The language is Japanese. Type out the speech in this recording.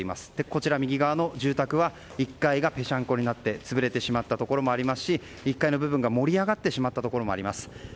こちら、右側の住宅は１階がぺしゃんこになって潰れてしまったところもありますし１階の部分が盛り上がってしまったところもあります。